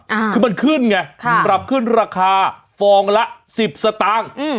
อ่าคือมันขึ้นไงค่ะปรับขึ้นราคาฟองละสิบสตางค์อืม